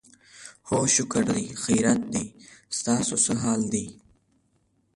هو شکر دی، خیریت دی، ستاسو څه حال دی؟